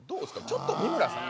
ちょっと三村さん？